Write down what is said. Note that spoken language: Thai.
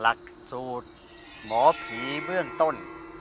หลักสูตรหมอผีเบื้องต้น